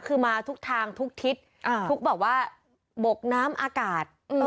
คือมาทุกทางทุกทิศทุกแบบว่าบกน้ำอากาศ